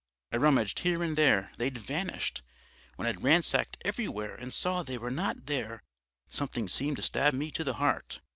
I rummaged here and there; they'd vanished. When I'd ransacked everywhere and saw they were not there, something seemed to stab me to the heart.